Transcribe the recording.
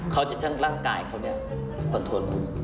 เขาจะทั้งร่างกายเขาควันโทนหุ่น